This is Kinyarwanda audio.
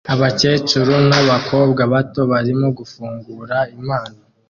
Abakecuru nabakobwa bato barimo gufungura impano